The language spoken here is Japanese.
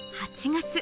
８月。